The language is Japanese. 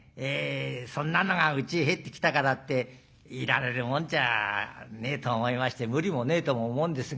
そんなのがうちへ入ってきたからっていられるもんじゃねえと思いまして無理もねえとも思うんですが」。